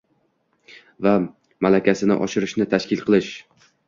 va malakasini oshirishni tashkil qilish